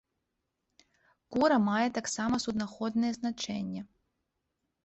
Кура мае таксама суднаходнае значэнне.